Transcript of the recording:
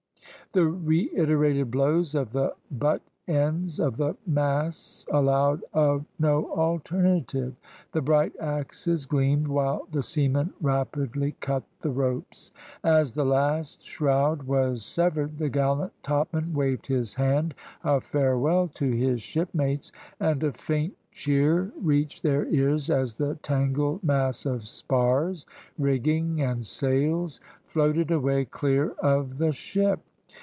The reiterated blows of the butt ends of the masts allowed of no alternative. The bright axes gleamed while the seamen rapidly cut the ropes. As the last shroud was severed the gallant topman waved his hand a farewell to his shipmates, and a faint cheer reached their ears as the tangled mass of spars, rigging, and sails, floated away clear of the ship.